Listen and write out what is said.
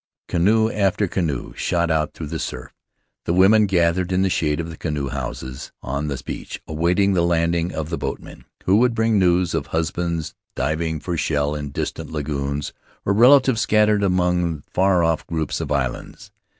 Canoe after canoe shot out through the surf; the women gathered in the shade of the canoe houses on the beach, awaiting the landing of the boatmen, who would bring news of husbands diving for shell in distant lagoons, or relatives scattered among far off groups of islands.